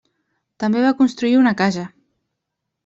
També va construir una casa.